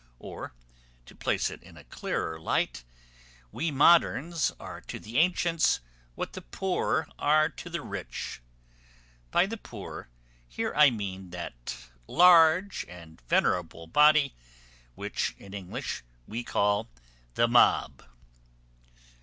Or, to place it in a clearer light, we moderns are to the antients what the poor are to the rich. By the poor here I mean that large and venerable body which, in English, we call the mob.